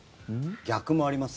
逆もあります。